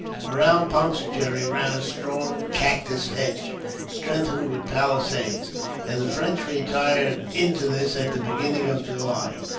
Around Pondicherry ran a strong cactus hedge, strengthened with palisades, and the French retired into this at the beginning of July.